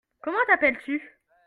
Comment t'appelles-tu ?